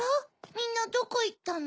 みんなどこいったの？